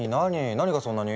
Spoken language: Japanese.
何がそんなに？